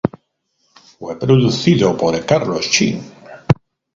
Fue producido por Carlos Jean.